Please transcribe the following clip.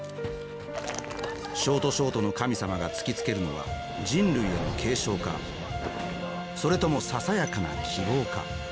ショートショートの神様が突きつけるのは人類への警鐘かそれともささやかな希望か。